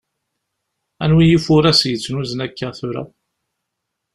Anwi ifuras yettnuzen akka tura?